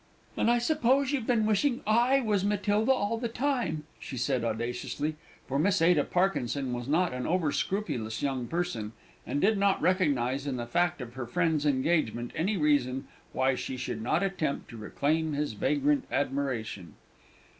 "And I suppose you've been wishing I was Matilda all the time?" she said audaciously; for Miss Ada Parkinson was not an over scrupulous young person, and did not recognize in the fact of her friend's engagement any reason why she should not attempt to reclaim his vagrant admiration.